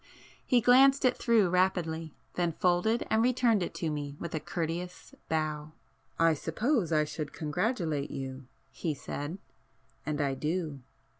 He glanced it through rapidly,—then folded and returned it to me with a courteous bow. "I suppose I should congratulate you,"—he said—"And I do.